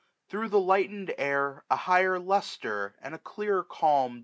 Thro' the lightened air A higher lustre and a clearer calm.